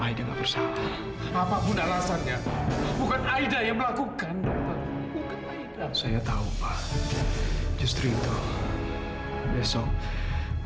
aida tak percaya sama aida